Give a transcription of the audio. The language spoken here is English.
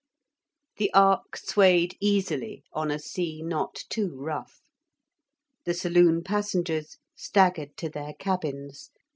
The ark swayed easily on a sea not too rough. The saloon passengers staggered to their cabins.